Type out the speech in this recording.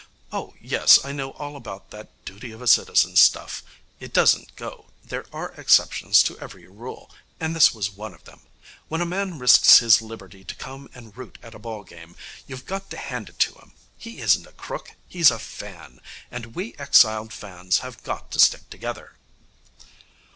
Oh, yes, I know all about that duty of a citizen stuff. It doesn't go. There are exceptions to every rule, and this was one of them. When a man risks his liberty to come and root at a ball game, you've got to hand it to him. He isn't a crook. He's a fan. And we exiled fans have got to stick together.'